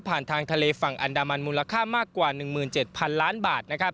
ทางทะเลฝั่งอันดามันมูลค่ามากกว่า๑๗๐๐๐ล้านบาท